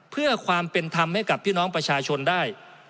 เพื่อความเป็นธรรมให้กับพี่น้องประชาชนได้